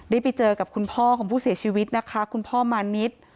ได้ไปเจอกับคุณพ่อของผู้เสียชีวิตนะคะคุณพ่อมานิด